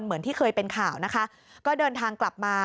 เหมือนที่เคยเป็นข่าวนะคะก็เดินทางกลับมา